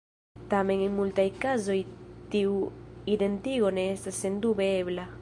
Tamen en multaj kazoj tiu identigo ne estas sendube ebla.